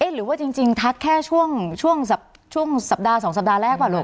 หรือว่าจริงทักแค่ช่วงสัปดาห์๒สัปดาห์แรกป่ะลูก